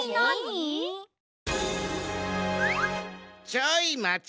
ちょいまち！